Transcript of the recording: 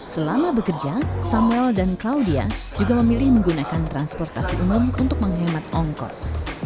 selama bekerja samuel dan claudia juga memilih menggunakan transportasi umum untuk menghemat ongkos